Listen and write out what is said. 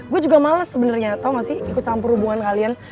gue juga males sebenarnya tau gak sih ikut campur hubungan kalian